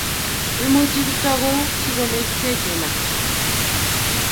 imuchi Kiptoo kou sikolekite Jelagat